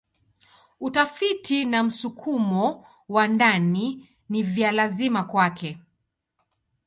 Utafiti na msukumo wa ndani ni vya lazima kwake.